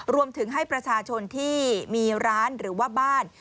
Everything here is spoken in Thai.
รวมถึงให้ประชาชนที่มีร้านหรือว่าบ้าน